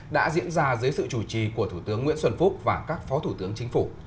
đã diễn ra dưới sự chủ trì của thủ tướng nguyễn xuân phúc và các phó thủ tướng chính phủ